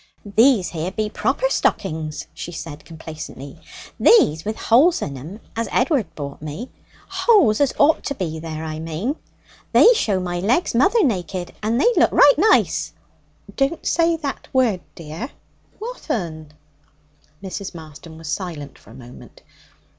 'These here be proper stockings,' she said complacently 'these with holes in 'em as Edward bought me. Holes as ought to be there, I mane. They show my legs mother naked, and they look right nice.' 'Don't say that word, dear.' 'What 'un?' Mrs. Marston was silent for a moment.